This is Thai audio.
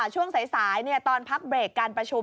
ช่วงสายตอนพักเบรกการประชุม